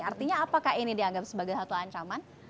artinya apakah ini dianggap sebagai satu ancaman